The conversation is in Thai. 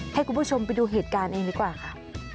ให้คุณผู้ชมไปดูเหตุการณ์เองดีกว่าค่ะ